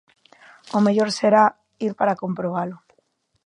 O mellor será ir para comprobalo.